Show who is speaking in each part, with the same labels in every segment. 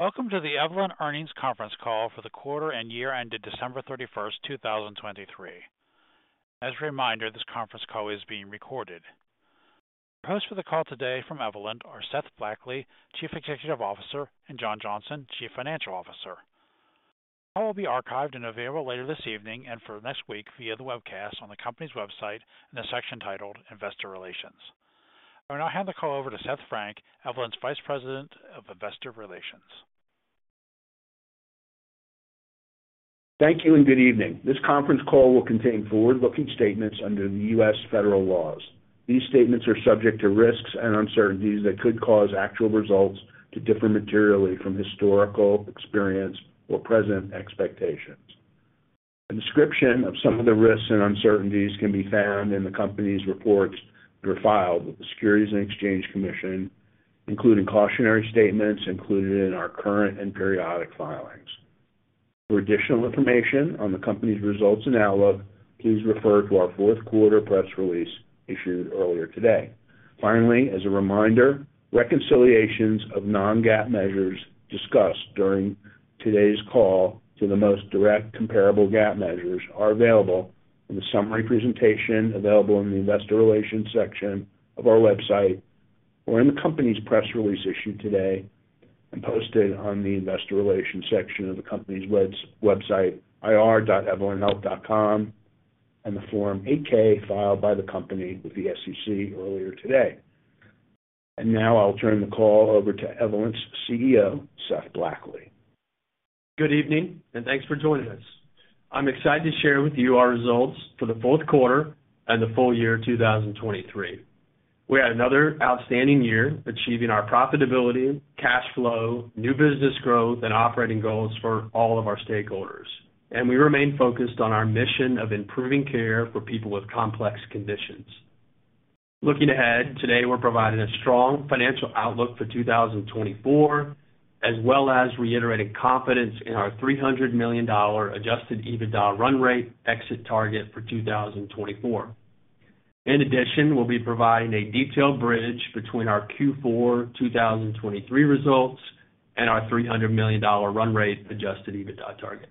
Speaker 1: Welcome to the Evolent Earnings Conference Call for the Quarter and Year End December 31st, 2023. As a reminder, this conference call is being recorded. Our hosts for the call today from Evolent are Seth Blackley, Chief Executive Officer, and John Johnson, Chief Financial Officer. The call will be archived and available later this evening and for next week via the webcast on the company's website in the section titled Investor Relations. I will now hand the call over to Seth Frank, Evolent's Vice President of Investor Relations.
Speaker 2: Thank you and good evening. This conference call will contain forward-looking statements under the U.S. federal laws. These statements are subject to risks and uncertainties that could cause actual results to differ materially from historical experience or present expectations. A description of some of the risks and uncertainties can be found in the company's reports that are filed with the Securities and Exchange Commission, including cautionary statements included in our current and periodic filings. For additional information on the company's results and outlook, please refer to our fourth quarter press release issued earlier today. Finally, as a reminder, reconciliations of non-GAAP measures discussed during today's call to the most direct comparable GAAP measures are available in the summary presentation available in the Investor Relations section of our website or in the company's press release issued today and posted on the Investor Relations section of the company's website, ir.evolenthealth.com, and the Form 8-K filed by the company with the SEC earlier today. And now I'll turn the call over to Evolent's CEO, Seth Blackley.
Speaker 3: Good evening and thanks for joining us. I'm excited to share with you our results for the fourth quarter and the full year 2023. We had another outstanding year achieving our profitability, cash flow, new business growth, and operating goals for all of our stakeholders, and we remain focused on our mission of improving care for people with complex conditions. Looking ahead, today we're providing a strong financial outlook for 2024 as well as reiterating confidence in our $300 million adjusted EBITDA run rate exit target for 2024. In addition, we'll be providing a detailed bridge between our Q4 2023 results and our $300 million run rate adjusted EBITDA target.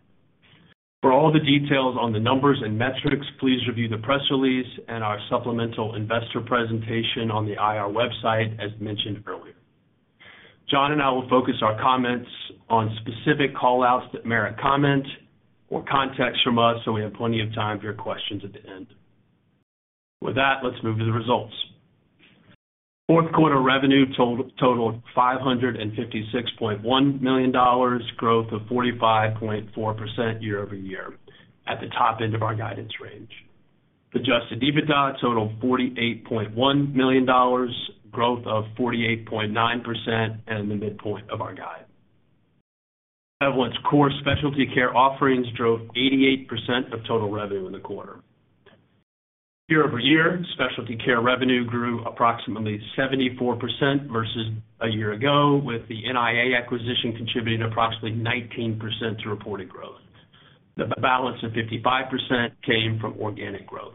Speaker 3: For all the details on the numbers and metrics, please review the press release and our supplemental investor presentation on the IR website as mentioned earlier. John and I will focus our comments on specific callouts that merit comment or context from us so we have plenty of time for your questions at the end. With that, let's move to the results. Fourth quarter revenue totaled $556.1 million, growth of 45.4% year-over-year at the top end of our guidance range. Adjusted EBITDA totaled $48.1 million, growth of 48.9% at the midpoint of our guide. Evolent's core specialty care offerings drove 88% of total revenue in the quarter. Year-over-year, specialty care revenue grew approximately 74% versus a year ago, with the NIA acquisition contributing approximately 19% to reported growth. The balance of 55% came from organic growth.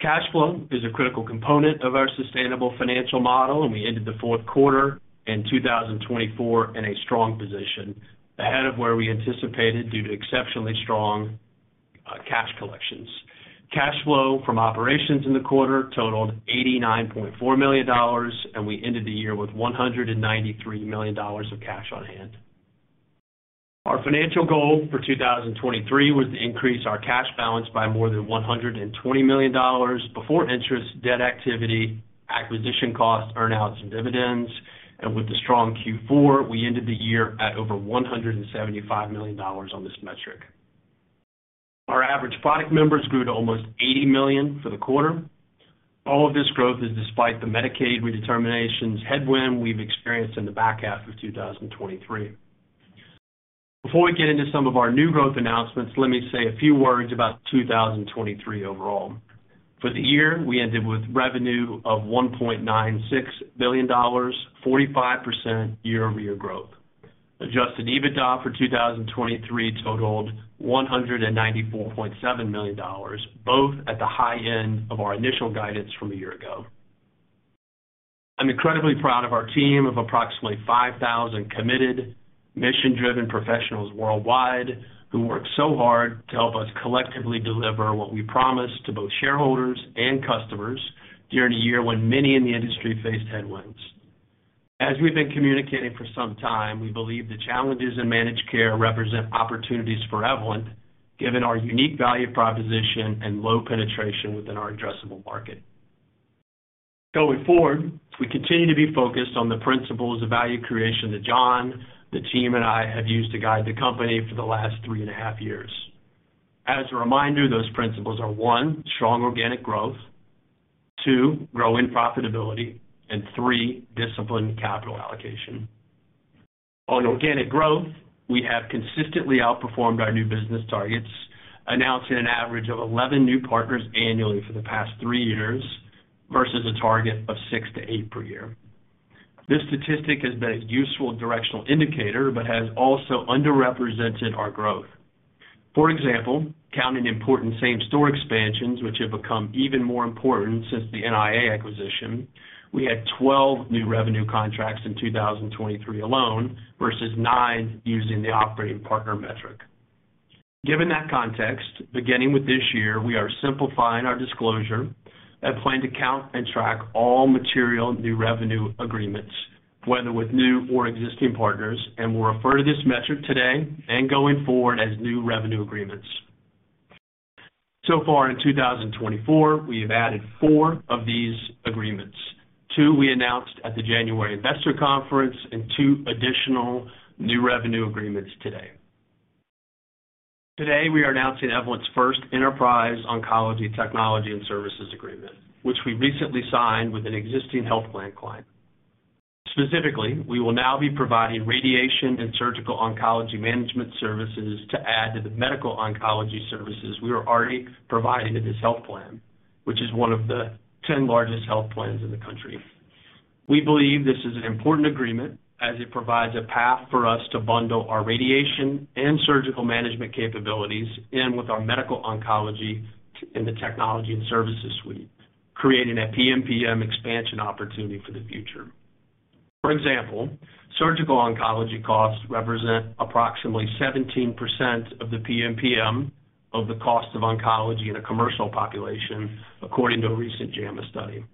Speaker 3: Cash flow is a critical component of our sustainable financial model, and we ended the fourth quarter and 2024 in a strong position ahead of where we anticipated due to exceptionally strong cash collections. Cash flow from operations in the quarter totaled $89.4 million, and we ended the year with $193 million of cash on hand. Our financial goal for 2023 was to increase our cash balance by more than $120 million before interest, debt activity, acquisition costs, earnouts, and dividends. With the strong Q4, we ended the year at over $175 million on this metric. Our average product members grew to almost 80 million for the quarter. All of this growth is despite the Medicaid redeterminations headwind we've experienced in the back half of 2023. Before we get into some of our new growth announcements, let me say a few words about 2023 overall. For the year, we ended with revenue of $1.96 billion, 45% year-over-year growth. Adjusted EBITDA for 2023 totaled $194.7 million, both at the high end of our initial guidance from a year ago. I'm incredibly proud of our team of approximately 5,000 committed, mission-driven professionals worldwide who work so hard to help us collectively deliver what we promise to both shareholders and customers during a year when many in the industry faced headwinds. As we've been communicating for some time, we believe the challenges in managed care represent opportunities for Evolent given our unique value proposition and low penetration within our addressable market. Going forward, we continue to be focused on the principles of value creation that John, the team, and I have used to guide the company for the last three and a half years. As a reminder, those principles are: One, strong organic growth; two, growing profitability; and three, disciplined capital allocation. On organic growth, we have consistently outperformed our new business targets, announcing an average of 11 new partners annually for the past three years versus a target of six to eight per year. This statistic has been a useful directional indicator but has also underrepresented our growth. For example, counting important same-store expansions, which have become even more important since the NIA acquisition, we had 12 new revenue contracts in 2023 alone versus nine using the operating partner metric. Given that context, beginning with this year, we are simplifying our disclosure and plan to count and track all material new revenue agreements, whether with new or existing partners, and will refer to this metric today and going forward as new revenue agreements. So far in 2024, we have added four of these agreements: two, we announced at the January Investor conference, and two additional new revenue agreements today. Today, we are announcing Evolent's first enterprise oncology technology and services agreement, which we recently signed with an existing health plan client. Specifically, we will now be providing radiation and surgical oncology management services to add to the medical oncology services we were already providing in this health plan, which is one of the 10 largest health plans in the country. We believe this is an important agreement as it provides a path for us to bundle our radiation and surgical management capabilities in with our medical oncology in the Technology and Services Suite, creating a PMPM expansion opportunity for the future. For example, surgical oncology costs represent approximately 17% of the PMPM of the cost of oncology in a commercial population, according to a recent JAMA study.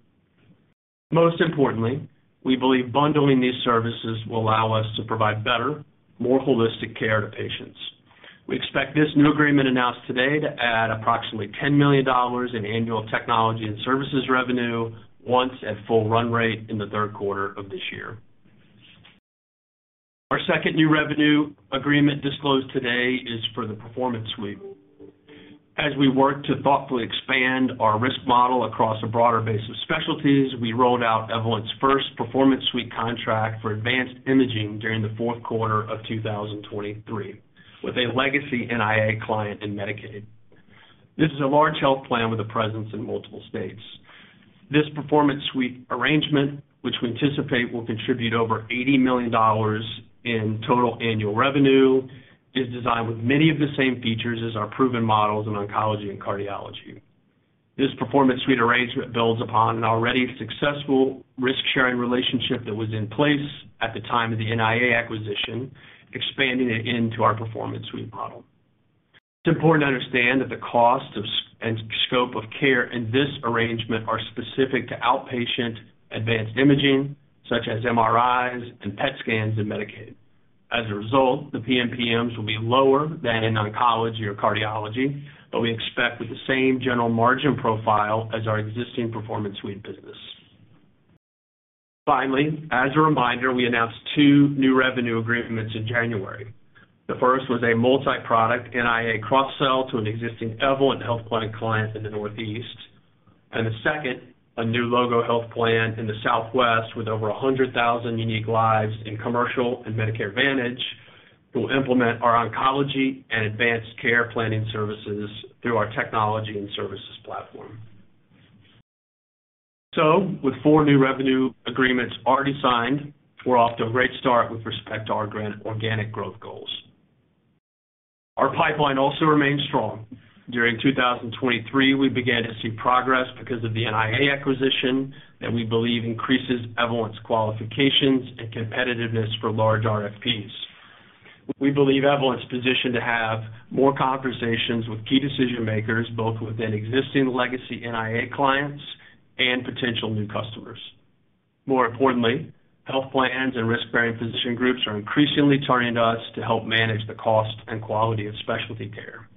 Speaker 3: Most importantly, we believe bundling these services will allow us to provide better, more holistic care to patients. We expect this new agreement announced today to add approximately $10 million in annual Technology and Services revenue once at full run rate in the third quarter of this year. Our second new revenue agreement disclosed today is for the Performance Suite. As we work to thoughtfully expand our risk model across a broader base of specialties, we rolled out Evolent's first Performance Suite contract for advanced imaging during the fourth quarter of 2023 with a legacy NIA client in Medicaid. This is a large health plan with a presence in multiple states. This Performance Suite arrangement, which we anticipate will contribute over $80 million in total annual revenue, is designed with many of the same features as our proven models in oncology and cardiology. This Performance Suite arrangement builds upon an already successful risk-sharing relationship that was in place at the time of the NIA acquisition, expanding it into our Performance Suite model. It's important to understand that the cost and scope of care in this arrangement are specific to outpatient advanced imaging, such as MRIs and PET scans in Medicaid. As a result, the PMPMs will be lower than in oncology or cardiology, but we expect with the same general margin profile as our existing Performance Suite business. Finally, as a reminder, we announced two new revenue agreements in January. The first was a multi-product NIA cross-sell to an existing Evolent health plan client in the Northeast, and the second, a new logo health plan in the Southwest with over 100,000 unique lives in commercial and Medicare Advantage, who will implement our oncology and advanced care planning services through our Technology and Services platform. With four new revenue agreements already signed, we're off to a great start with respect to our organic growth goals. Our pipeline also remains strong. During 2023, we began to see progress because of the NIA acquisition that we believe increases Evolent's qualifications and competitiveness for large RFPs. We believe Evolent's position to have more conversations with key decision makers, both within existing legacy NIA clients and potential new customers. More importantly, health plans and risk-bearing physician groups are increasingly turning to us to help manage the cost and quality of specialty care.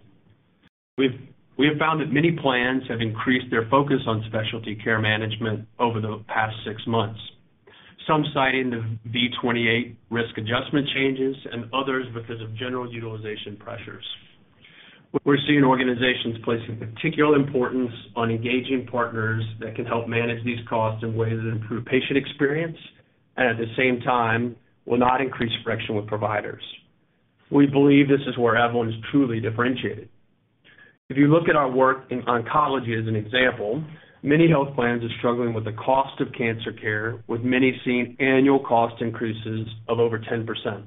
Speaker 3: We have found that many plans have increased their focus on specialty care management over the past six months, some citing the V28 risk adjustment changes and others because of general utilization pressures. We're seeing organizations placing particular importance on engaging partners that can help manage these costs in ways that improve patient experience and, at the same time, will not increase friction with providers. We believe this is where Evolent is truly differentiated. If you look at our work in oncology as an example, many health plans are struggling with the cost of cancer care, with many seeing annual cost increases of over 10%.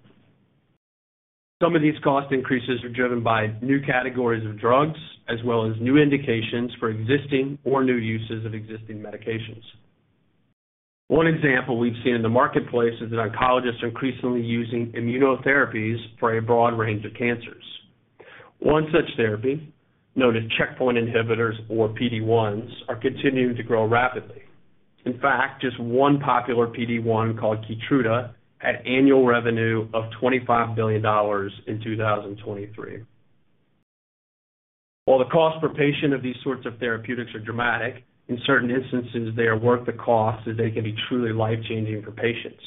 Speaker 3: Some of these cost increases are driven by new categories of drugs as well as new indications for existing or new uses of existing medications. One example we've seen in the marketplace is that oncologists are increasingly using immunotherapies for a broad range of cancers. One such therapy, known as checkpoint inhibitors or PD-1s, are continuing to grow rapidly. In fact, just one popular PD-1 called Keytruda had annual revenue of $25 billion in 2023. While the cost per patient of these sorts of therapeutics are dramatic, in certain instances, they are worth the cost as they can be truly life-changing for patients.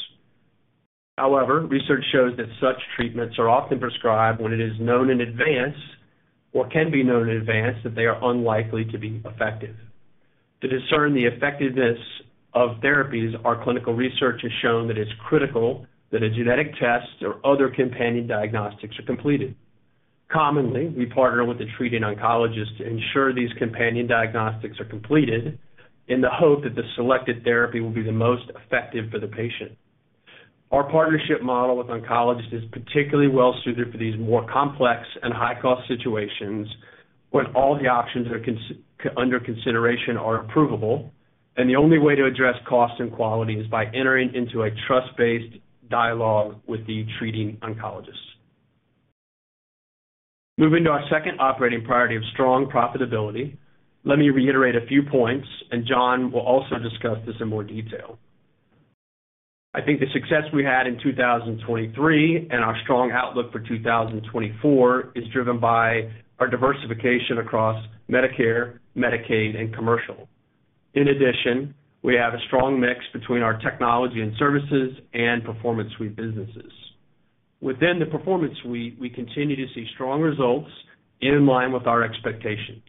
Speaker 3: However, research shows that such treatments are often prescribed when it is known in advance or can be known in advance that they are unlikely to be effective. To discern the effectiveness of therapies, our clinical research has shown that it's critical that a genetic test or other companion diagnostics are completed. Commonly, we partner with a treating oncologist to ensure these companion diagnostics are completed in the hope that the selected therapy will be the most effective for the patient. Our partnership model with oncologists is particularly well-suited for these more complex and high-cost situations when all the options under consideration are approvable, and the only way to address cost and quality is by entering into a trust-based dialogue with the treating oncologist. Moving to our second operating priority of strong profitability, let me reiterate a few points, and John will also discuss this in more detail. I think the success we had in 2023 and our strong outlook for 2024 is driven by our diversification across Medicare, Medicaid, and commercial. In addition, we have a strong mix between our Technology and Services and Performance Suite businesses. Within the Performance Suite, we continue to see strong results in line with our expectations.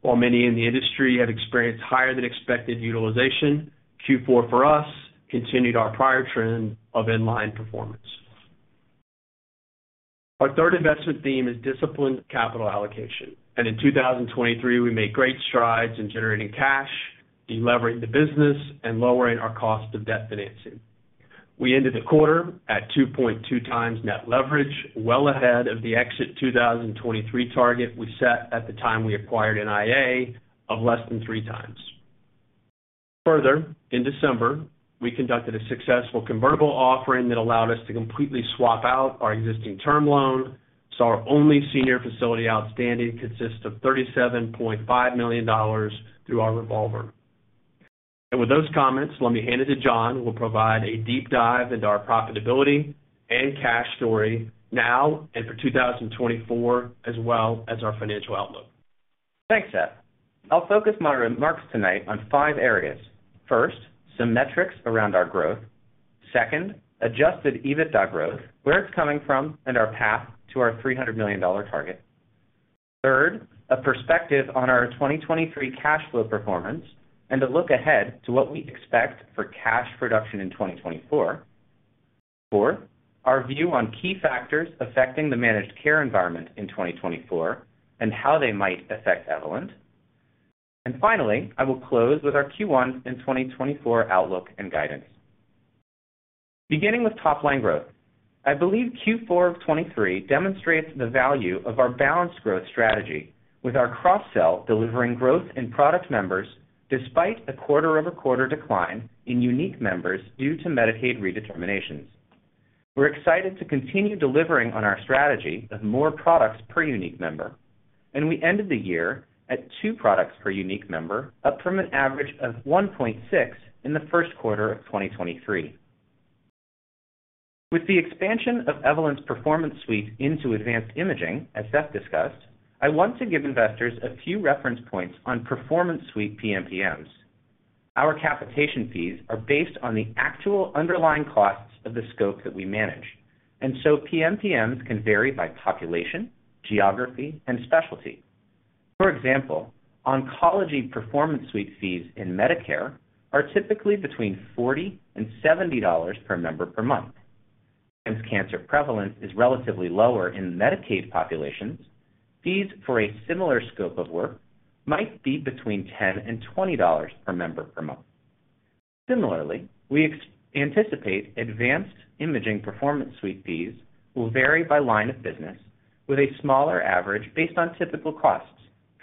Speaker 3: While many in the industry have experienced higher-than-expected utilization, Q4 for us continued our prior trend of in-line performance. Our third investment theme is disciplined capital allocation, and in 2023, we made great strides in generating cash, deleveraging the business, and lowering our cost of debt financing. We ended the quarter at 2.2x net leverage, well ahead of the exit 2023 target we set at the time we acquired NIA of less than 3x. Further, in December, we conducted a successful convertible offering that allowed us to completely swap out our existing term loan, so our only senior facility outstanding consists of $37.5 million through our revolver. With those comments, let me hand it to John, who will provide a deep dive into our profitability and cash story now and for 2024 as well as our financial outlook.
Speaker 4: Thanks, Seth. I'll focus my remarks tonight on five areas. First, some metrics around our growth. Second, adjusted EBITDA growth, where it's coming from, and our path to our $300 million target. Third, a perspective on our 2023 cash flow performance and a look ahead to what we expect for cash production in 2024. Fourth, our view on key factors affecting the managed care environment in 2024 and how they might affect Evolent. And finally, I will close with our Q1 and 2024 outlook and guidance. Beginning with top-line growth, I believe Q4 of 2023 demonstrates the value of our balanced growth strategy, with our cross-sell delivering growth in product members despite a quarter-over-quarter decline in unique members due to Medicaid redeterminations. We're excited to continue delivering on our strategy of more products per unique member, and we ended the year at two products per unique member, up from an average of 1.6 million in the first quarter of 2023. With the expansion of Evolent's Performance Suite into advanced imaging, as Seth discussed, I want to give investors a few reference points on Performance Suite PMPMs. Our capitation fees are based on the actual underlying costs of the scope that we manage, and so PMPMs can vary by population, geography, and specialty. For example, oncology Performance Suite fees in Medicare are typically between $40-$70 per member per month. Since cancer prevalence is relatively lower in Medicaid populations, fees for a similar scope of work might be between $10-$20 per member per month. Similarly, we anticipate advanced imaging Performance Suite fees will vary by line of business, with a smaller average based on typical costs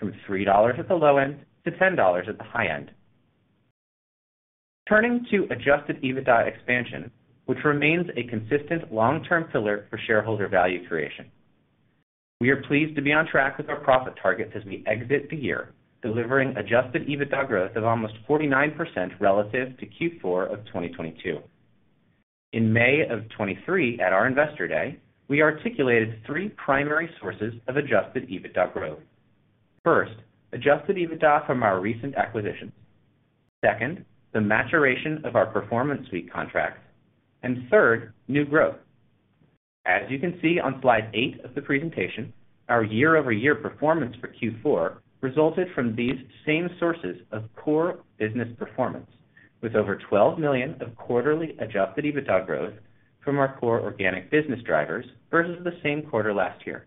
Speaker 4: from $3 at the low end to $10 at the high end. Turning to adjusted EBITDA expansion, which remains a consistent long-term pillar for shareholder value creation. We are pleased to be on track with our profit targets as we exit the year, delivering adjusted EBITDA growth of almost 49% relative to Q4 of 2022. In May of 2023, at our Investor Day, we articulated three primary sources of adjusted EBITDA growth. First, adjusted EBITDA from our recent acquisitions. Second, the maturation of our Performance Suite contracts. And third, new growth. As you can see on slide eight of the presentation, our year-over-year performance for Q4 resulted from these same sources of core business performance, with over $12 million of quarterly adjusted EBITDA growth from our core organic business drivers versus the same quarter last year,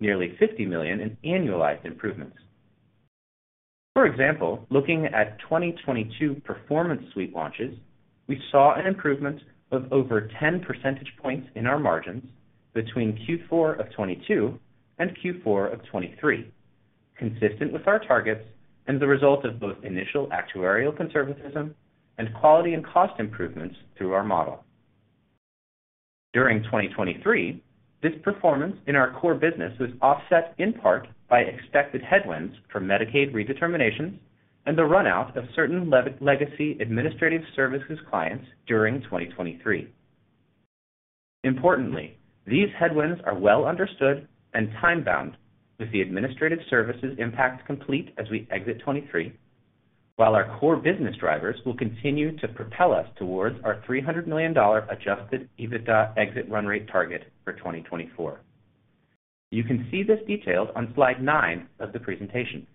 Speaker 4: nearly $50 million in annualized improvements. For example, looking at 2022 Performance Suite launches, we saw an improvement of over 10 percentage points in our margins between Q4 of 2022 and Q4 of 2023, consistent with our targets and the result of both initial actuarial conservatism and quality and cost improvements through our model. During 2023, this performance in our core business was offset in part by expected headwinds from Medicaid redeterminations and the runout of certain legacy administrative services clients during 2023. Importantly, these headwinds are well understood and time-bound, with the administrative services impact complete as we exit 2023, while our core business drivers will continue to propel us towards our $300 million adjusted EBITDA exit run rate target for 2024. You can see this detailed on slide nine of the presentation.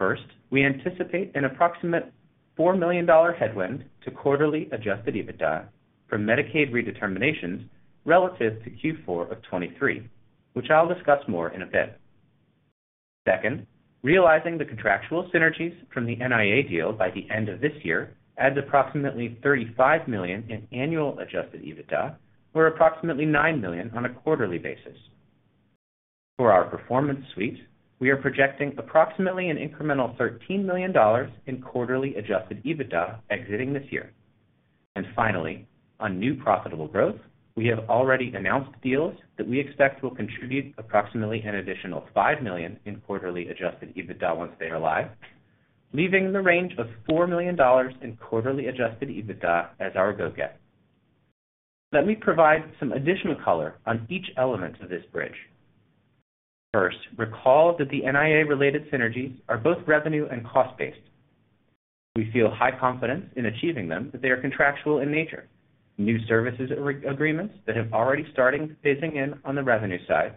Speaker 4: First, we anticipate an approximate $4 million headwind to quarterly adjusted EBITDA from Medicaid redeterminations relative to Q4 of 2023, which I'll discuss more in a bit. Second, realizing the contractual synergies from the NIA deal by the end of this year adds approximately $35 million in annual adjusted EBITDA, where approximately $9 million on a quarterly basis. For our Performance Suite, we are projecting approximately an incremental $13 million in quarterly adjusted EBITDA exiting this year. And finally, on new profitable growth, we have already announced deals that we expect will contribute approximately an additional $5 million in quarterly adjusted EBITDA once they are live, leaving the range of $4 million in quarterly adjusted EBITDA as our go-get. Let me provide some additional color on each element of this bridge. First, recall that the NIA-related synergies are both revenue and cost-based. We feel high confidence in achieving them that they are contractual in nature: new services agreements that have already started phasing in on the revenue side.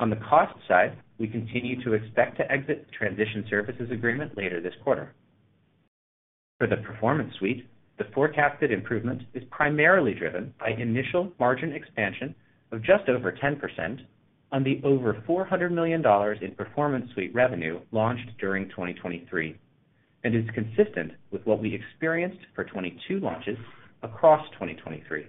Speaker 4: On the cost side, we continue to expect to exit the transition services agreement later this quarter. For the Performance Suite, the forecasted improvement is primarily driven by initial margin expansion of just over 10% on the over $400 million in Performance Suite revenue launched during 2023 and is consistent with what we experienced for 2023 launches across 2023.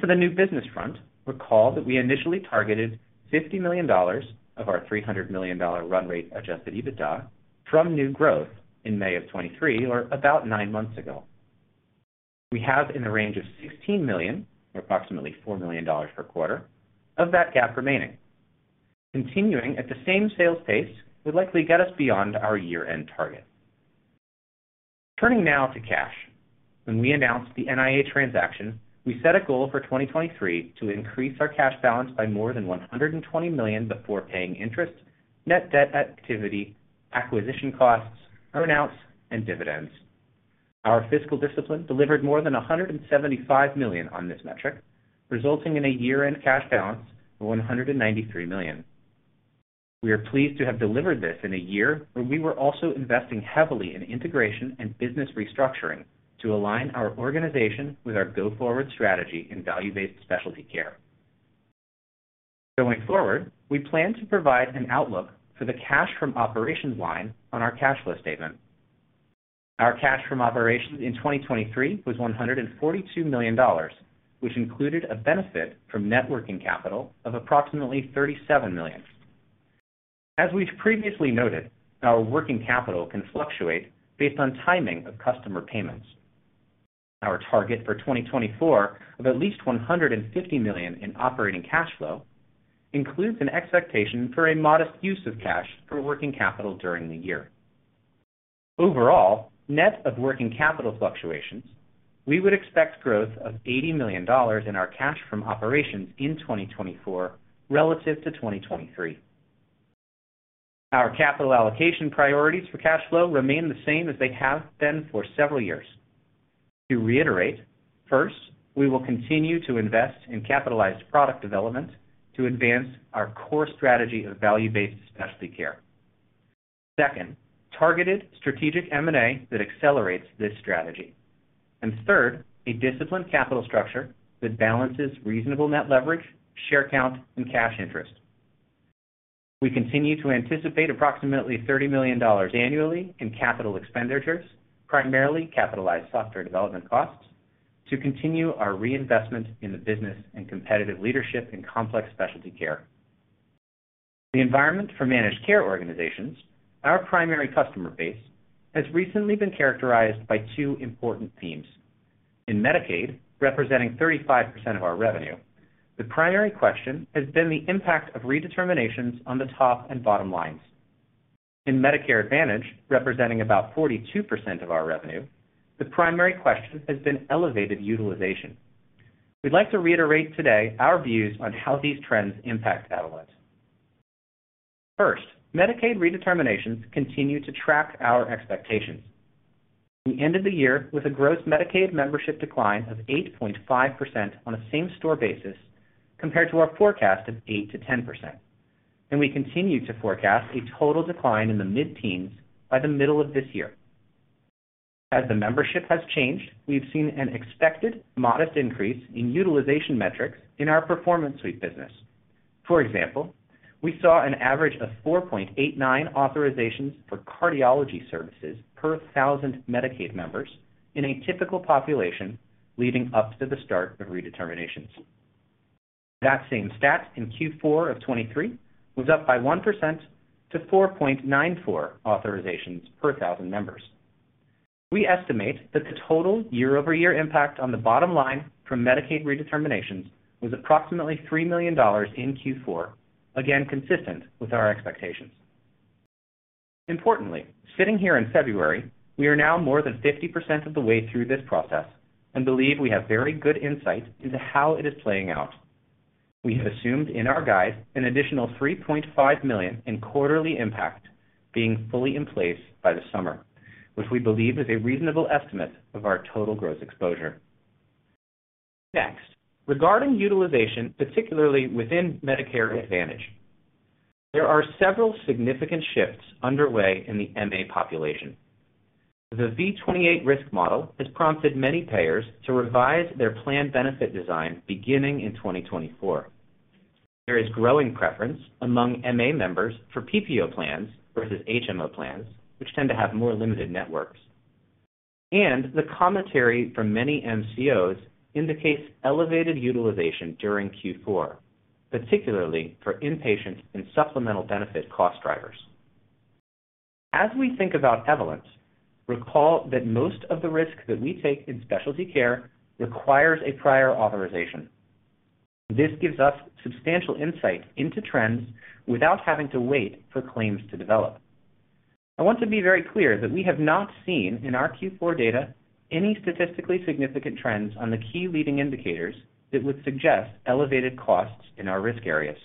Speaker 4: For the new business front, recall that we initially targeted $50 million of our $300 million run rate adjusted EBITDA from new growth in May of 2023, or about nine months ago. We have in the range of $16 million, or approximately $4 million per quarter, of that gap remaining. Continuing at the same sales pace would likely get us beyond our year-end target. Turning now to cash. When we announced the NIA transaction, we set a goal for 2023 to increase our cash balance by more than $120 million before paying interest, net debt activity, acquisition costs, earnouts, and dividends. Our fiscal discipline delivered more than $175 million on this metric, resulting in a year-end cash balance of $193 million. We are pleased to have delivered this in a year where we were also investing heavily in integration and business restructuring to align our organization with our go-forward strategy in value-based specialty care. Going forward, we plan to provide an outlook for the cash from operations line on our cash flow statement. Our cash from operations in 2023 was $142 million, which included a benefit from net working capital of approximately $37 million. As we've previously noted, our working capital can fluctuate based on timing of customer payments. Our target for 2024 of at least $150 million in operating cash flow includes an expectation for a modest use of cash for working capital during the year. Overall, net of working capital fluctuations, we would expect growth of $80 million in our cash from operations in 2024 relative to 2023. Our capital allocation priorities for cash flow remain the same as they have been for several years. To reiterate, first, we will continue to invest in capitalized product development to advance our core strategy of value-based specialty care. Second, targeted strategic M&A that accelerates this strategy. And third, a disciplined capital structure that balances reasonable net leverage, share count, and cash interest. We continue to anticipate approximately $30 million annually in capital expenditures, primarily capitalized software development costs, to continue our reinvestment in the business and competitive leadership in complex specialty care. The environment for managed care organizations, our primary customer base, has recently been characterized by two important themes. In Medicaid, representing 35% of our revenue, the primary question has been the impact of redeterminations on the top and bottom lines. In Medicare Advantage, representing about 42% of our revenue, the primary question has been elevated utilization. We'd like to reiterate today our views on how these trends impact Evolent. First, Medicaid redeterminations continue to track our expectations. We ended the year with a gross Medicaid membership decline of 8.5% on a same-store basis compared to our forecast of 8%-10%, and we continue to forecast a total decline in the mid-teens by the middle of this year. As the membership has changed, we've seen an expected modest increase in utilization metrics in our Performance Suite business. For example, we saw an average of 4.89 authorizations for cardiology services per 1,000 Medicaid members in a typical population leading up to the start of redeterminations. That same stat in Q4 of 2023 was up by 1% to 4.94 authorizations per 1,000 members. We estimate that the total year-over-year impact on the bottom line from Medicaid redeterminations was approximately $3 million in Q4, again consistent with our expectations. Importantly, sitting here in February, we are now more than 50% of the way through this process and believe we have very good insight into how it is playing out. We have assumed in our guide an additional $3.5 million in quarterly impact being fully in place by the summer, which we believe is a reasonable estimate of our total growth exposure. Next, regarding utilization, particularly within Medicare Advantage, there are several significant shifts underway in the MA population. The V28 risk model has prompted many payers to revise their plan benefit design beginning in 2024. There is growing preference among MA members for PPO plans versus HMO plans, which tend to have more limited networks. The commentary from many MCOs indicates elevated utilization during Q4, particularly for inpatient and supplemental benefit cost drivers. As we think about Evolent, recall that most of the risk that we take in specialty care requires a prior authorization. This gives us substantial insight into trends without having to wait for claims to develop. I want to be very clear that we have not seen in our Q4 data any statistically significant trends on the key leading indicators that would suggest elevated costs in our risk areas.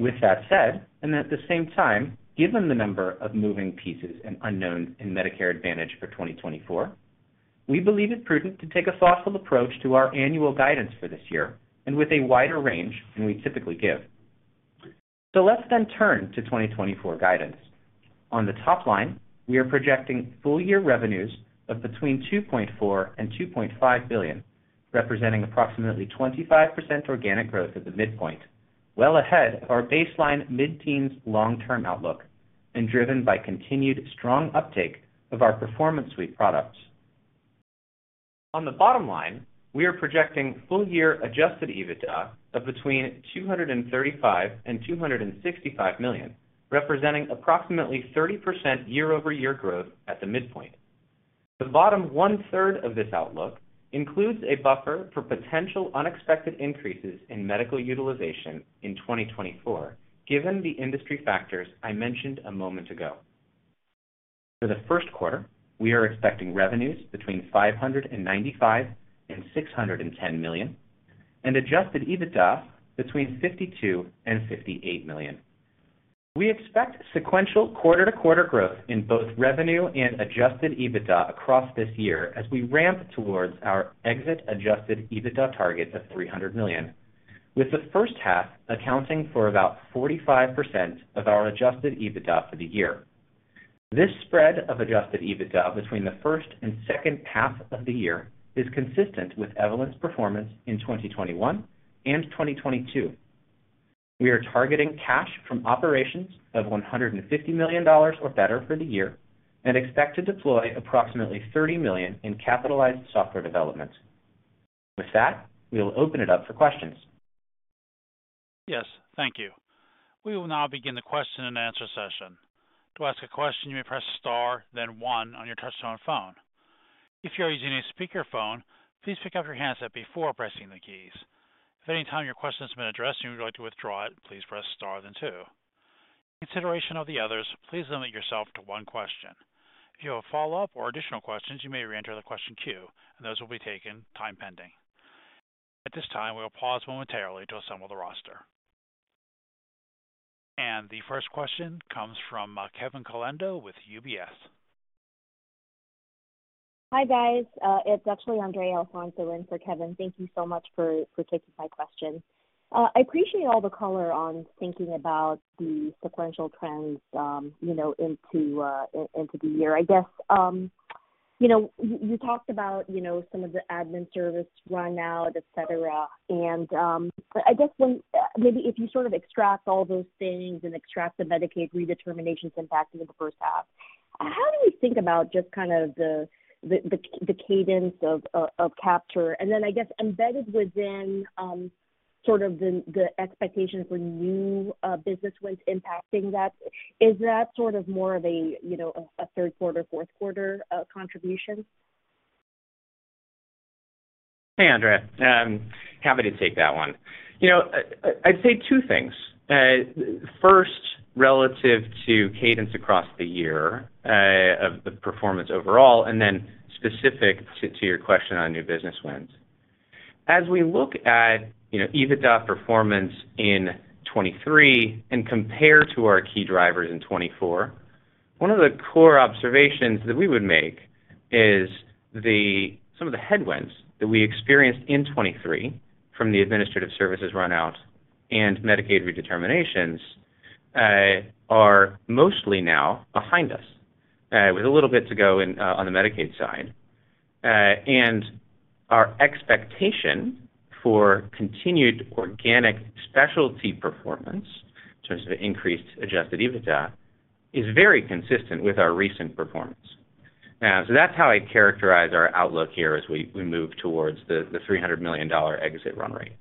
Speaker 4: With that said, and at the same time, given the number of moving pieces and unknowns in Medicare Advantage for 2024, we believe it's prudent to take a thoughtful approach to our annual guidance for this year and with a wider range than we typically give. So let's then turn to 2024 guidance. On the top line, we are projecting full-year revenues of between $2.4 billion-$2.5 billion, representing approximately 25% organic growth at the midpoint, well ahead of our baseline mid-teens long-term outlook and driven by continued strong uptake of our Performance Suite products. On the bottom line, we are projecting full-year Adjusted EBITDA of between $235 million-$265 million, representing approximately 30% year-over-year growth at the midpoint. The bottom one-third of this outlook includes a buffer for potential unexpected increases in medical utilization in 2024, given the industry factors I mentioned a moment ago. For the first quarter, we are expecting revenues between $595 million-$610 million and Adjusted EBITDA between $52 million-$58 million. We expect sequential quarter-to-quarter growth in both revenue and adjusted EBITDA across this year as we ramp towards our exit-adjusted EBITDA target of $300 million, with the first half accounting for about 45% of our adjusted EBITDA for the year. This spread of adjusted EBITDA between the first and second half of the year is consistent with Evolent's performance in 2021 and 2022. We are targeting cash from operations of $150 million or better for the year and expect to deploy approximately $30 million in capitalized software development. With that, we will open it up for questions.
Speaker 1: Yes, thank you. We will now begin the question-and-answer session. To ask a question, you may press star then one on your touch-tone phone. If you are using a speakerphone, please pick up your handset before pressing the keys. If at any time your question has been addressed and you would like to withdraw it, please press star then two. In consideration of the others, please limit yourself to one question. If you have a follow-up or additional questions, you may reenter the question queue, and those will be taken, time pending. At this time, we will pause momentarily to assemble the roster. The first question comes from Kevin Caliendo with UBS.
Speaker 5: Hi guys. It's actually Andrea Alfonso in for Kevin. Thank you so much for taking my question. I appreciate all the color on thinking about the sequential trends into the year. I guess you talked about some of the admin service run-out, etc., but I guess maybe if you sort of extract all those things and extract the Medicaid redeterminations impacting the first half, how do we think about just kind of the cadence of capture? And then I guess embedded within sort of the expectation for new business wins impacting that, is that sort of more of a third-quarter, fourth-quarter contribution?
Speaker 4: Hey Andrea, happy to take that one. I'd say two things. First, relative to cadence across the year of the performance overall, and then specific to your question on new business wins. As we look at EBITDA performance in 2023 and compare to our key drivers in 2024, one of the core observations that we would make is some of the headwinds that we experienced in 2023 from the administrative services run-out and Medicaid redeterminations are mostly now behind us, with a little bit to go on the Medicaid side. And our expectation for continued organic specialty performance in terms of an increased adjusted EBITDA is very consistent with our recent performance. So that's how I characterize our outlook here as we move towards the $300 million exit run rate.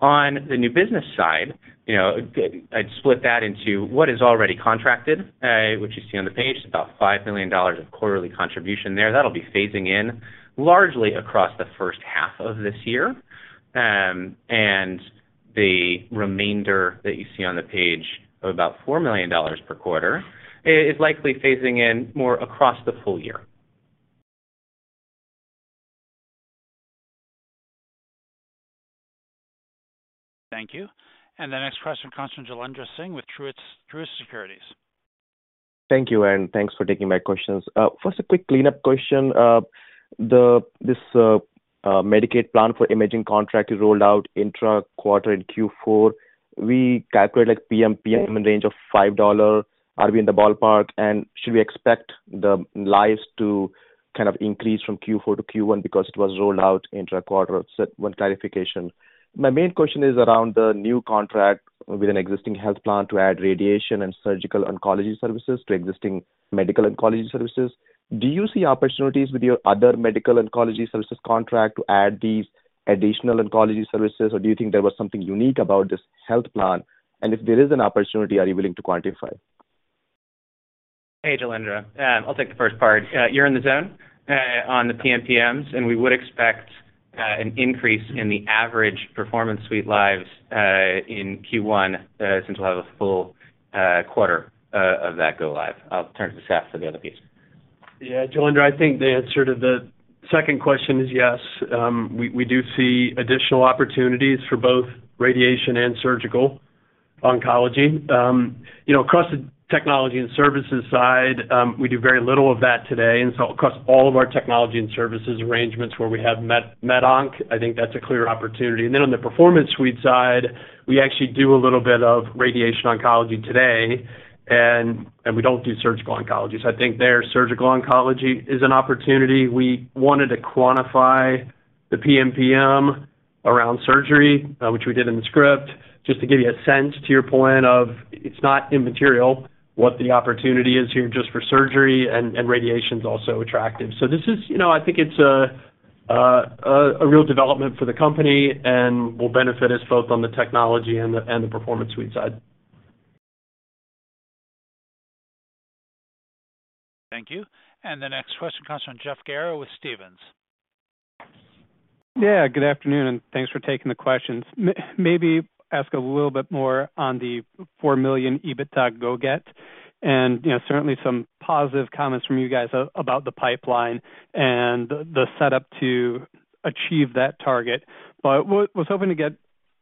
Speaker 4: On the new business side, I'd split that into what is already contracted, which you see on the page. It's about $5 million of quarterly contribution there. That'll be phasing in largely across the first half of this year. The remainder that you see on the page of about $4 million per quarter is likely phasing in more across the full year.
Speaker 1: Thank you. The next question comes from Jailendra Singh with Truist Securities.
Speaker 6: Thank you, and thanks for taking my questions. First, a quick cleanup question. This Medicaid plan for imaging contract is rolled out intra-quarter in Q4. We calculate PMPM in the range of $5. Are we in the ballpark? And should we expect the lives to kind of increase from Q4 to Q1 because it was rolled out intra-quarter? So one clarification. My main question is around the new contract with an existing health plan to add radiation and surgical oncology services to existing medical oncology services. Do you see opportunities with your other medical oncology services contract to add these additional oncology services, or do you think there was something unique about this health plan? And if there is an opportunity, are you willing to quantify?
Speaker 4: Hey Jailendra, I'll take the first part. You're in the zone on the PMPM, and we would expect an increase in the average Performance Suite lives in Q1 since we'll have a full quarter of that go live. I'll turn to Seth for the other piece.
Speaker 3: Yeah, Jailendra, I think the answer to the second question is yes. We do see additional opportunities for both radiation and surgical oncology. Across the Technology and Services side, we do very little of that today. And so across all of our Technology and Services arrangements where we have MedOnc, I think that's a clear opportunity. And then on the Performance Suite side, we actually do a little bit of radiation oncology today, and we don't do surgical oncology. So I think there surgical oncology is an opportunity. We wanted to quantify the PMPM around surgery, which we did in the script, just to give you a sense to your point of it's not immaterial what the opportunity is here just for surgery, and radiation is also attractive. This is, I think, it's a real development for the company and will benefit us both on the technology and the Performance Suite side.
Speaker 1: Thank you. The next question comes from Jeff Garro with Stephens.
Speaker 7: Yeah, good afternoon, and thanks for taking the questions. Maybe ask a little bit more on the $4 million EBITDA goal. Certainly some positive comments from you guys about the pipeline and the setup to achieve that target. But I was hoping to get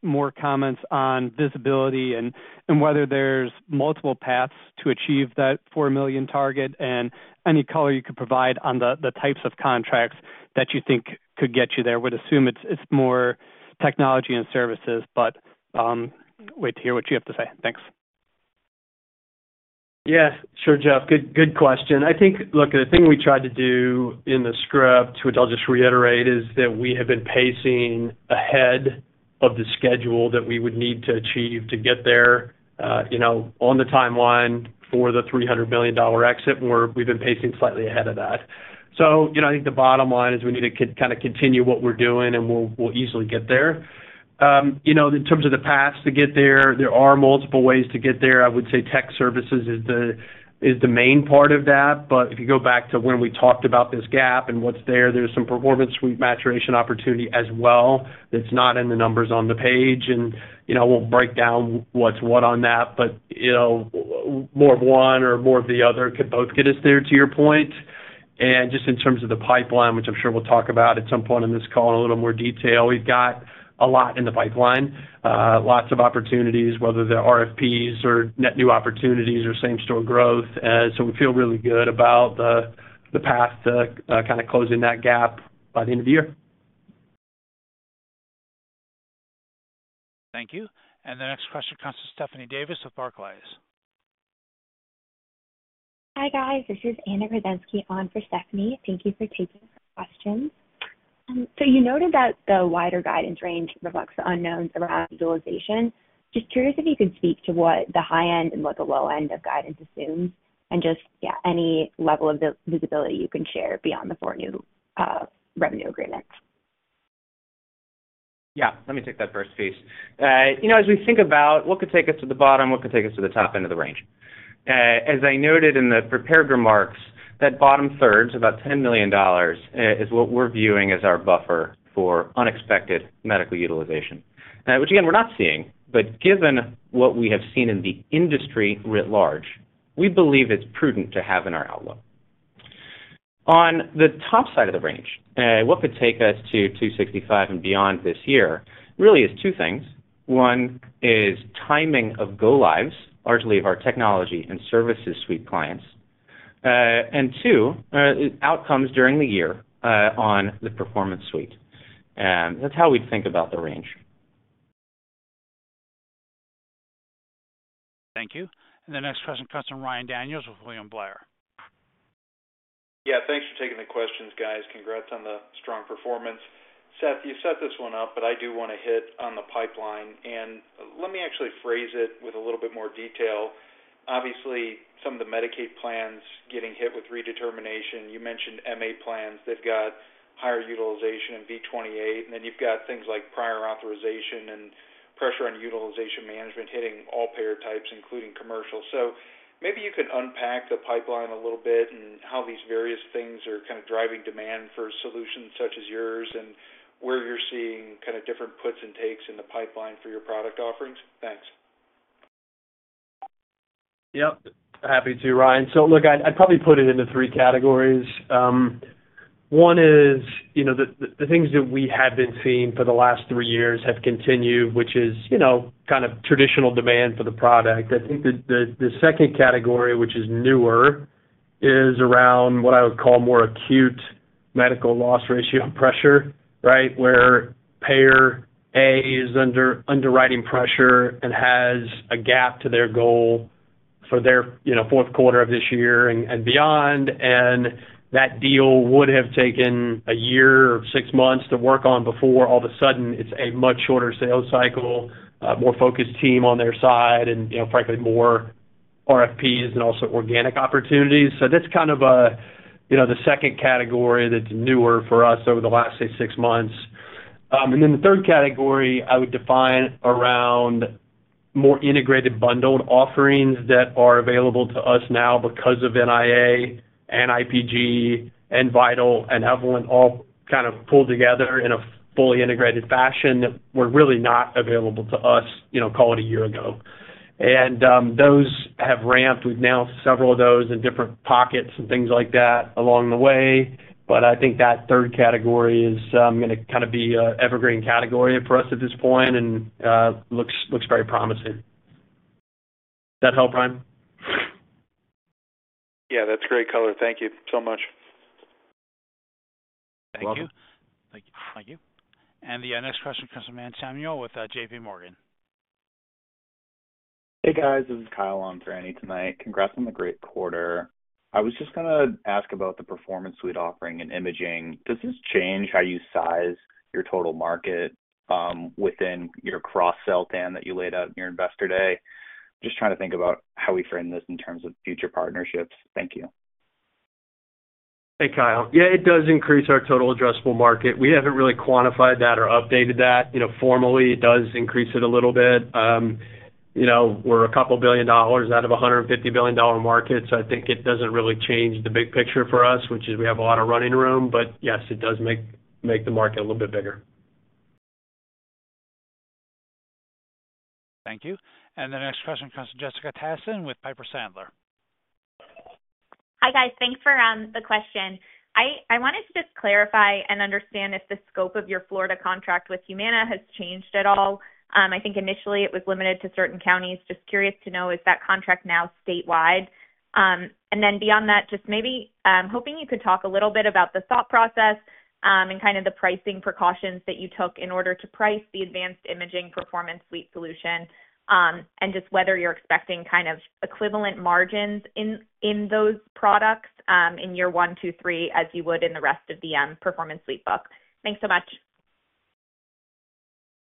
Speaker 7: more comments on visibility and whether there's multiple paths to achieve that $4 million target and any color you could provide on the types of contracts that you think could get you there. Would assume it's more Technology and Services, but wait to hear what you have to say. Thanks.
Speaker 3: Yeah, sure, Jeff. Good question. I think, look, the thing we tried to do in the script, which I'll just reiterate, is that we have been pacing ahead of the schedule that we would need to achieve to get there on the timeline for the $300 million exit, and we've been pacing slightly ahead of that. So I think the bottom line is we need to kind of continue what we're doing, and we'll easily get there. In terms of the paths to get there, there are multiple ways to get there. I would say tech services is the main part of that. But if you go back to when we talked about this gap and what's there, there's some Performance Suite maturation opportunity as well that's not in the numbers on the page. I won't break down what's what on that, but more of one or more of the other could both get us there, to your point. Just in terms of the pipeline, which I'm sure we'll talk about at some point in this call in a little more detail, we've got a lot in the pipeline, lots of opportunities, whether they're RFPs or net new opportunities or same-store growth. We feel really good about the path to kind of closing that gap by the end of the year.
Speaker 1: Thank you. The next question comes from Stephanie Davis with Barclays.
Speaker 8: Hi guys, this is Anna Kruszewski on for Stephanie. Thank you for taking her questions. You noted that the wider guidance range reflects the unknowns around utilization. Just curious if you could speak to what the high end and what the low end of guidance assumes and just any level of visibility you can share beyond the four new revenue agreements?
Speaker 4: Yeah, let me take that first piece. As we think about what could take us to the bottom, what could take us to the top end of the range. As I noted in the prepared remarks, that bottom third, so about $10 million, is what we're viewing as our buffer for unexpected medical utilization, which again, we're not seeing. But given what we have seen in the industry writ large, we believe it's prudent to have in our outlook. On the top side of the range, what could take us to $265 million and beyond this year really is two things. One is timing of go lives, largely of our Technology and Services Suite clients. And two, outcomes during the year on the Performance Suite. That's how we'd think about the range.
Speaker 1: Thank you. And the next question comes from Ryan Daniels with William Blair.
Speaker 9: Yeah, thanks for taking the questions, guys. Congrats on the strong performance. Seth, you set this one up, but I do want to hit on the pipeline. And let me actually phrase it with a little bit more detail. Obviously, some of the Medicaid plans getting hit with redetermination. You mentioned MA plans. They've got higher utilization in V28. And then you've got things like prior authorization and pressure on utilization management hitting all payer types, including commercial. So maybe you can unpack the pipeline a little bit and how these various things are kind of driving demand for solutions such as yours and where you're seeing kind of different puts and takes in the pipeline for your product offerings. Thanks.
Speaker 3: Yep, happy to, Ryan. So look, I'd probably put it into three categories. One is the things that we have been seeing for the last three years have continued, which is kind of traditional demand for the product. I think the second category, which is newer, is around what I would call more acute Medical Loss Ratio pressure, where payer A is underwriting pressure and has a gap to their goal for their fourth quarter of this year and beyond. And that deal would have taken a year or six months to work on before all of a sudden it's a much shorter sales cycle, more focused team on their side, and frankly, more RFPs and also organic opportunities. So that's kind of the second category that's newer for us over the last, say, six months. And then the third category I would define around more integrated bundled offerings that are available to us now because of NIA and IPG and Vital and Evolent all kind of pulled together in a fully integrated fashion that were really not available to us, call it a year ago. And those have ramped. We've announced several of those in different pockets and things like that along the way. But I think that third category is going to kind of be an evergreen category for us at this point and looks very promising. Does that help, Ryan?
Speaker 9: Yeah, that's great color. Thank you so much.
Speaker 1: Thank you. Thank you. The next question comes from Anne Samuel with JPMorgan.
Speaker 10: Hey guys, this is Kyle on for Anna tonight. Congrats on the great quarter. I was just going to ask about the Performance Suite offering and imaging. Does this change how you size your total market within your cross-sell plan that you laid out in your Investor Day? Just trying to think about how we frame this in terms of future partnerships. Thank you.
Speaker 3: Hey Kyle. Yeah, it does increase our total addressable market. We haven't really quantified that or updated that formally. It does increase it a little bit. We're a couple of billion dollars out of a $150 billion market. So I think it doesn't really change the big picture for us, which is we have a lot of running room. But yes, it does make the market a little bit bigger.
Speaker 1: Thank you. And the next question comes from Jessica Tassan with Piper Sandler.
Speaker 11: Hi guys, thanks for the question. I wanted to just clarify and understand if the scope of your Florida contract with Humana has changed at all. I think initially it was limited to certain counties. Just curious to know, is that contract now statewide? And then beyond that, just maybe hoping you could talk a little bit about the thought process and kind of the pricing precautions that you took in order to price the advanced imaging Performance Suite solution and just whether you're expecting kind of equivalent margins in those products in year one, two, three as you would in the rest of the Performance Suite book. Thanks so much.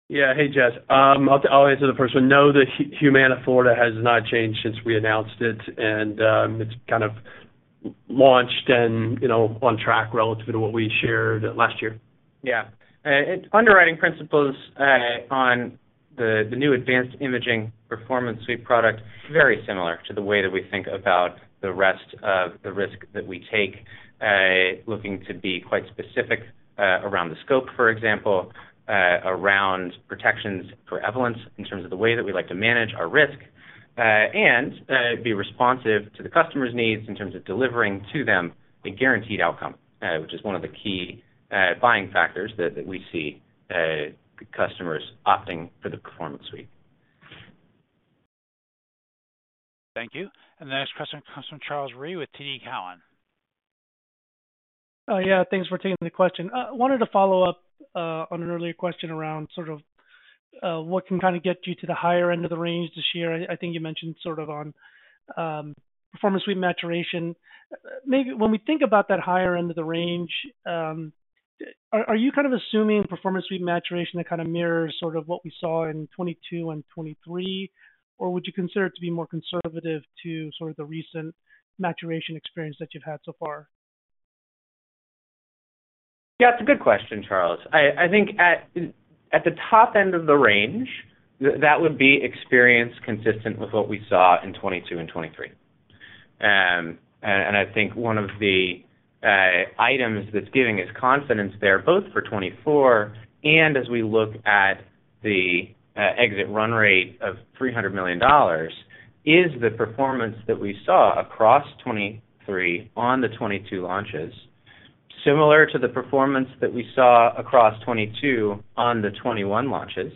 Speaker 3: Yeah, hey Jess. I'll answer the first one. No, the Humana Florida has not changed since we announced it. And it's kind of launched and on track relative to what we shared last year.
Speaker 4: Yeah. Underwriting principles on the new advanced imaging Performance Suite product, very similar to the way that we think about the rest of the risk that we take, looking to be quite specific around the scope, for example, around protections for Evolent's in terms of the way that we like to manage our risk, and be responsive to the customer's needs in terms of delivering to them a guaranteed outcome, which is one of the key buying factors that we see customers opting for the Performance Suite.
Speaker 1: Thank you. And the next question comes from Charles Rhyee with TD Cowen.
Speaker 12: Yeah, thanks for taking the question. Wanted to follow up on an earlier question around sort of what can kind of get you to the higher end of the range this year. I think you mentioned sort of on Performance Suite maturation. When we think about that higher end of the range, are you kind of assuming Performance Suite maturation that kind of mirrors sort of what we saw in 2022 and 2023, or would you consider it to be more conservative to sort of the recent maturation experience that you've had so far?
Speaker 4: Yeah, it's a good question, Charles. I think at the top end of the range, that would be experience consistent with what we saw in 2022 and 2023. And I think one of the items that's giving us confidence there, both for 2024 and as we look at the exit run rate of $300 million, is the performance that we saw across 2023 on the 2022 launches, similar to the performance that we saw across 2022 on the 2021 launches.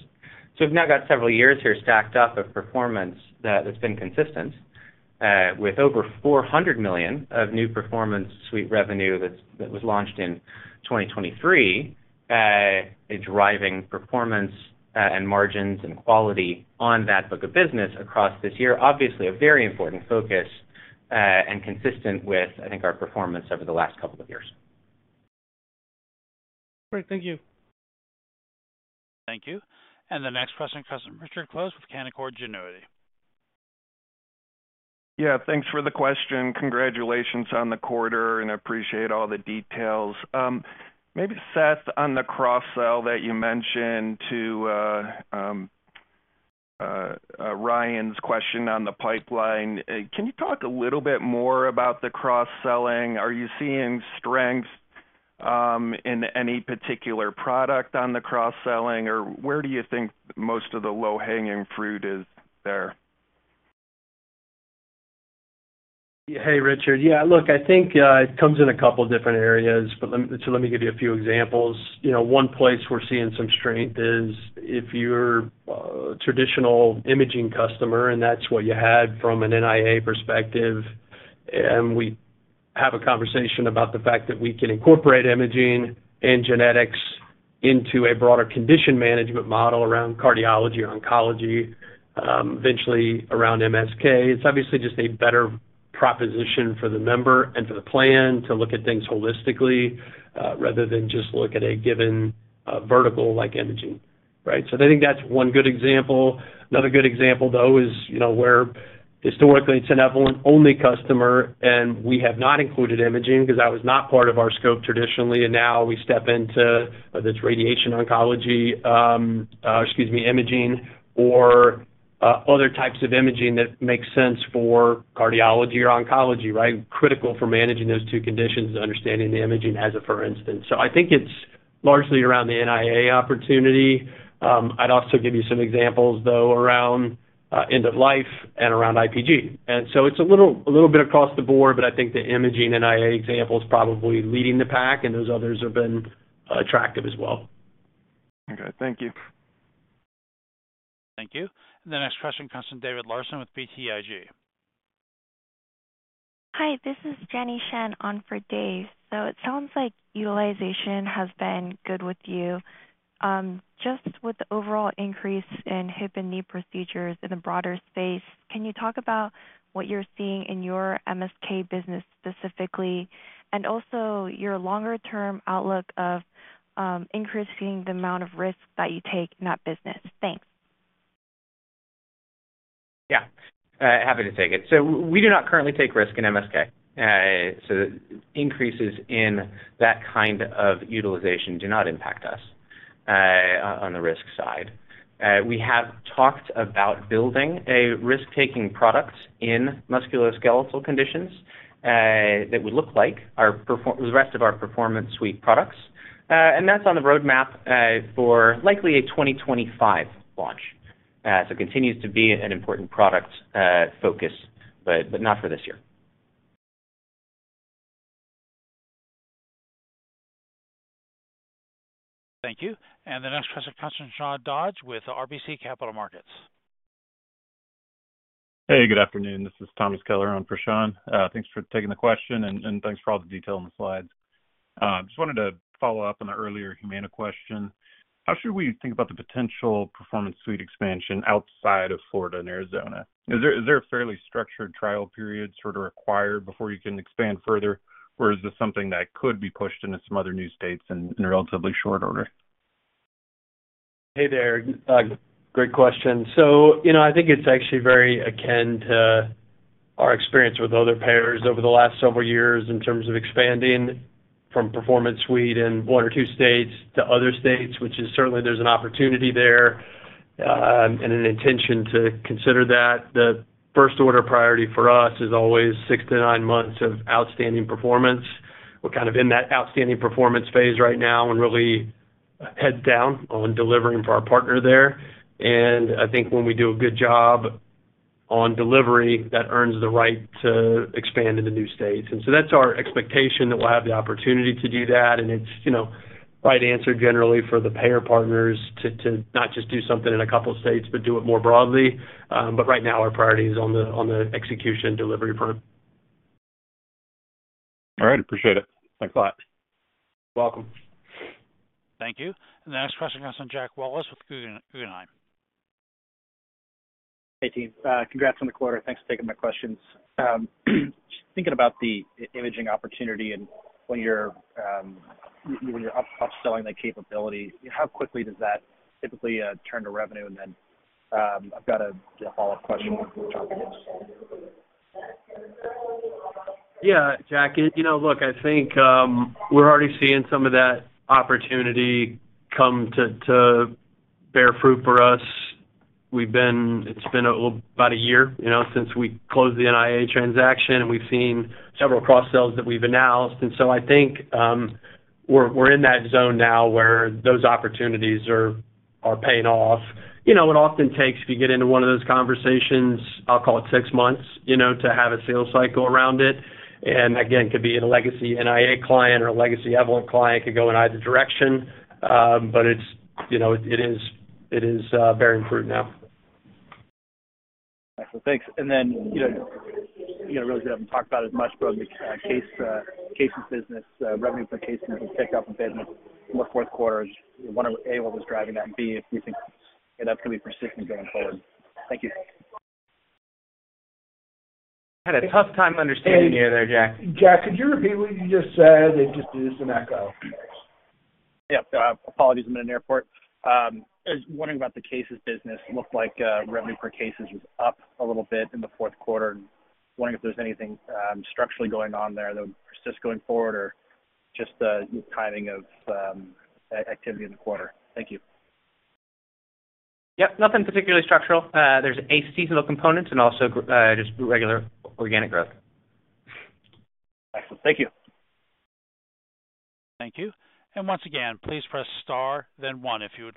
Speaker 4: So we've now got several years here stacked up of performance that's been consistent with over $400 million of new Performance Suite revenue that was launched in 2023, a driving performance and margins and quality on that book of business across this year, obviously a very important focus and consistent with, I think, our performance over the last couple of years.
Speaker 12: Great. Thank you.
Speaker 1: Thank you. The next question comes from Richard Close with Canaccord Genuity.
Speaker 13: Yeah, thanks for the question. Congratulations on the quarter, and I appreciate all the details. Maybe, Seth, on the cross-sell that you mentioned to Ryan's question on the pipeline, can you talk a little bit more about the cross-selling? Are you seeing strengths in any particular product on the cross-selling, or where do you think most of the low-hanging fruit is there?
Speaker 3: Hey, Richard. Yeah, look, I think it comes in a couple of different areas. But so let me give you a few examples. One place we're seeing some strength is if you're a traditional imaging customer, and that's what you had from an NIA perspective. And we have a conversation about the fact that we can incorporate imaging and genetics into a broader condition management model around cardiology, oncology, eventually around MSK. It's obviously just a better proposition for the member and for the plan to look at things holistically rather than just look at a given vertical like imaging. So I think that's one good example. Another good example, though, is where historically it's an Evolent-only customer, and we have not included imaging because that was not part of our scope traditionally. And now we step into that's radiation oncology or, excuse me, imaging or other types of imaging that make sense for cardiology or oncology, critical for managing those two conditions and understanding the imaging as a for instance. So I think it's largely around the NIA opportunity. I'd also give you some examples, though, around end of life and around IPG. And so it's a little bit across the board, but I think the imaging NIA example is probably leading the pack, and those others have been attractive as well.
Speaker 13: Okay. Thank you.
Speaker 1: Thank you. The next question comes from David Larsen with BTIG.
Speaker 14: Hi, this is Jenny Shen on for Dave. So it sounds like utilization has been good with you. Just with the overall increase in hip and knee procedures in the broader space, can you talk about what you're seeing in your MSK business specifically and also your longer-term outlook of increasing the amount of risk that you take in that business? Thanks.
Speaker 4: Yeah, happy to take it. So we do not currently take risk in MSK. So increases in that kind of utilization do not impact us on the risk side. We have talked about building a risk-taking product in musculoskeletal conditions that would look like the rest of our Performance Suite products. And that's on the roadmap for likely a 2025 launch. So it continues to be an important product focus, but not for this year.
Speaker 1: Thank you. And the next question comes from Sean Dodge with RBC Capital Markets.
Speaker 15: Hey, good afternoon. This is Thomas Kellar on for Sean. Thanks for taking the question, and thanks for all the detail in the slides. Just wanted to follow up on the earlier Humana question. How should we think about the potential Performance Suite expansion outside of Florida and Arizona? Is there a fairly structured trial period sort of required before you can expand further, or is this something that could be pushed into some other new states in a relatively short order?
Speaker 3: Hey there. Great question. So I think it's actually very akin to our experience with other payers over the last several years in terms of expanding from Performance Suite in one or two states to other states, which is certainly there's an opportunity there and an intention to consider that. The first-order priority for us is always 6-9 months of outstanding performance. We're kind of in that outstanding performance phase right now and really head down on delivering for our partner there. And I think when we do a good job on delivery, that earns the right to expand into new states. And so that's our expectation that we'll have the opportunity to do that. And it's right answer generally for the payer partners to not just do something in a couple of states, but do it more broadly. But right now, our priority is on the execution delivery front.
Speaker 15: All right. Appreciate it. Thanks a lot.
Speaker 3: You're welcome.
Speaker 1: Thank you. The next question comes from Jack Wallace with Guggenheim.
Speaker 16: Hey, team. Congrats on the quarter. Thanks for taking my questions. Just thinking about the imaging opportunity and when you're upselling that capability, how quickly does that typically turn to revenue? And then I've got a follow-up question on top of this.
Speaker 3: Yeah, Jack. Look, I think we're already seeing some of that opportunity come to bear fruit for us. It's been about a year since we closed the NIA transaction, and we've seen several cross-sells that we've announced. So I think we're in that zone now where those opportunities are paying off. It often takes, if you get into one of those conversations, I'll call it six months to have a sales cycle around it. And again, it could be a legacy NIA client or a legacy Evolent client could go in either direction. But it is bearing fruit now.
Speaker 16: Excellent. Thanks. And then you really didn't have to talk about it as much, but on the cases business, revenue per case has been picked up in business. What fourth quarter is, A, what was driving that, and B, if you think that's going to be persistent going forward? Thank you.
Speaker 4: Had a tough time understanding you there, Jack.
Speaker 3: Jack, could you repeat what you just said? It just is an echo.
Speaker 16: Yeah. Apologies. I'm in an airport. Wondering about the cases business. It looked like revenue per cases was up a little bit in the fourth quarter. Wondering if there's anything structurally going on there that would persist going forward or just the timing of activity in the quarter? Thank you.
Speaker 4: Yep. Nothing particularly structural. There's a seasonal component and also just regular organic growth.
Speaker 16: Excellent. Thank you.
Speaker 1: Thank you. Once again, please press star, then one if you would.